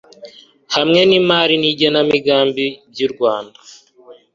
hamwe n'imari n'igenamigambi by'urwanda